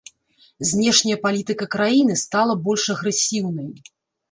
Знешняя палітыка краіны стала больш агрэсіўнай.